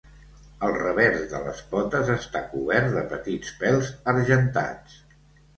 El revers de les potes està cobert de petits pèls argentats.